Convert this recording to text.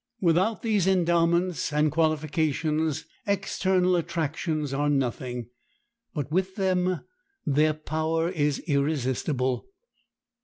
Without these endowments and qualifications, external attractions are nothing; but with them, their power is irresistible.